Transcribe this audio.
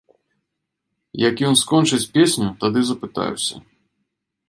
Як ён скончыць песню, тады запытаюся.